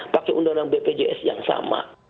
pakai undang undang bpjs yang sama